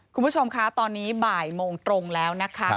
คุณผู้ชมคะตอนนี้บ่ายโมงตรงแล้วนะคะ